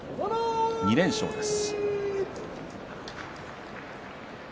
２連勝です。